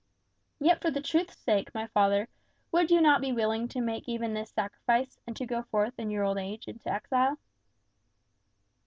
"Yet for the Truth's sake, my father, would you not be willing to make even this sacrifice, and to go forth in your old age into exile?"